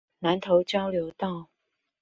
南投交流道